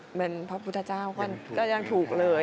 เหมือนพระพุทธเจ้าก็ยังถูกเลย